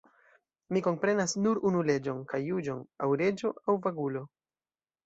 Mi komprenas nur unu leĝon kaj juĝon: aŭ reĝo aŭ vagulo!